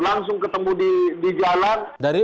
langsung ketemu di jalan